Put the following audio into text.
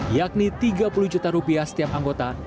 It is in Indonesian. yakni tiga puluh juta rupiah setiap anggota